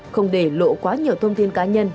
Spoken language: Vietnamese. không để lộ quá nhiều thông tin cá nhân